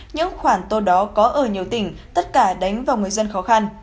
những khoản tour đó có ở nhiều tỉnh tất cả đánh vào người dân khó khăn